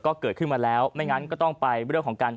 ก็เกิดขึ้นมาแล้วไม่งั้นก็ต้องไปเรื่องของการ